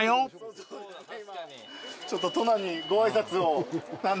ちょっと殿にご挨拶を。